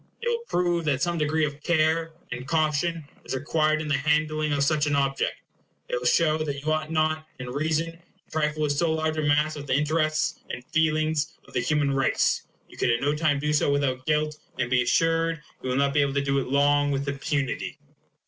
It will prove that some degre e of care and caution is required in the handling such an object; it will show that you ought not, in reason, to trifle with so large a mass of the interests and feelings of the human race. You could at no time do so without guilt; and be assured you will not be able to do it long with impunity.